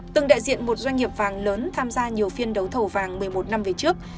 từng đại diện một doanh nghiệp vàng lớn tham gia nhiều phiên đấu thầu vàng một mươi một năm về trước